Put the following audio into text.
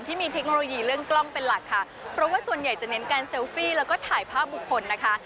เทคโนโลยีเรื่องกล้องเป็นหลักค่ะเพราะว่าส่วนใหญ่จะเน้นการเซลฟี่แล้วก็ถ่ายภาพบุคคลนะคะ